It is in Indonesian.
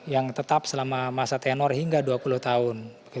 yang tetap selama masa tenor hingga dua puluh tahun